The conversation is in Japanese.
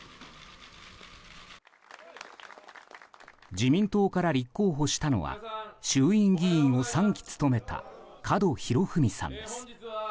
自民党から立候補したのは衆院議員を３期務めた門博文さんです。